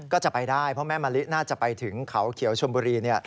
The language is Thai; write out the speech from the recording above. ก็จะไปได้เพราะแม่มะลิน่าจะไปถึงเขาเขียวชมบุรี